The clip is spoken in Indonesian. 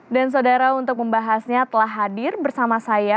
dan saudara untuk membahasnya telah hadir bersama saya